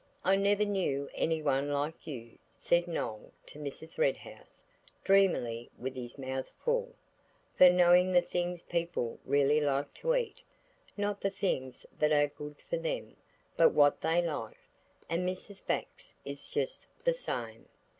"I never knew any one like you," said Noël to Mrs. Red House, dreamily with his mouth full, "for knowing the things people really like to eat, not the things that are good for them, but what they like, and Mrs. Bax is just the same."